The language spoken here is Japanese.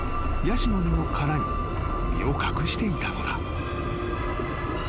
［ヤシの実の殻に身を隠していたのだ］